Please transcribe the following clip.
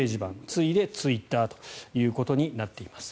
次いでツイッターということになっています。